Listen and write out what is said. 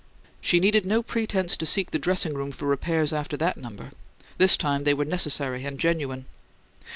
She needed no pretense to seek the dressing room for repairs after that number; this time they were necessary and genuine.